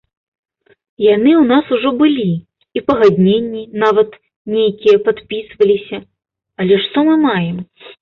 Яны ў нас ужо былі, і пагадненні нават нейкія падпісваліся, але што мы маем?